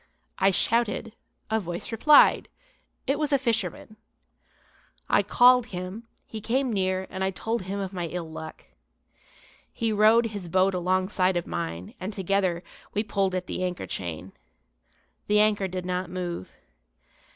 I shouted, a voice replied; it was a fisherman. I called him; he came near and I told him of my ill luck. He rowed his boat alongside of mine and, together, we pulled at the anchor chain. The anchor did not move.